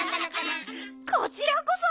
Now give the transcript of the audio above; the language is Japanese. こちらこそ！